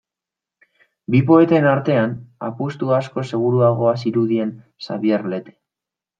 Bi poeten artean, apustu askoz seguruagoa zirudien Xabier Lete.